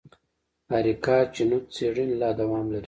د اریکا چینوت څېړنې لا دوام لري.